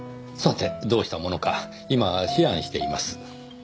さてどうしたものか今思案しています。